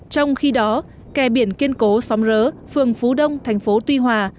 trong khi đó kè biển kiên cố sóng rỡ phường phú đông thành phố tuy hòa